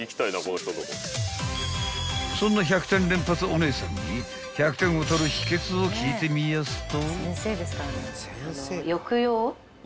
［そんな１００点連発おねえさんに１００点を取る秘訣を聞いてみやすと］